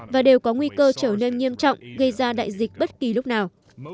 và đều có nguy cơ trở nên nghiêm trọng gây ra đại dịch bất kỳ lúc nào